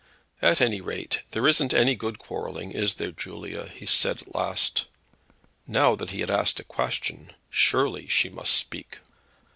"At any rate there isn't any good in quarrelling, is there, Julia?" he said at last. Now that he had asked a question, surely she must speak.